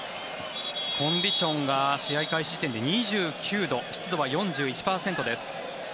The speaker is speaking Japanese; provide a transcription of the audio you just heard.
コンディションが試合開始時点で２９度湿度は４１％です。